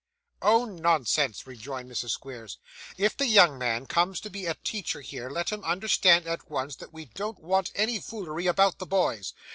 'Oh! nonsense,' rejoined Mrs. Squeers. 'If the young man comes to be a teacher here, let him understand, at once, that we don't want any foolery about the boys.